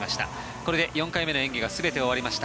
これで４回目の演技が全て終わりました。